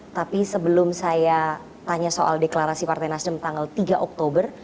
tapi sebelum saya tanya soal deklarasi partai nasdem tanggal tiga oktober